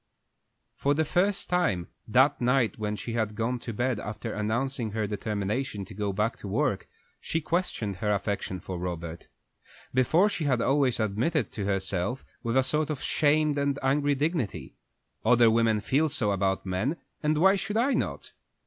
For the first time, that night when she had gone to bed, after announcing her determination to go back to work, she questioned her affection for Robert. Before she had always admitted it to herself with a sort of shamed and angry dignity. "Other women feel so about men, and why should I not?"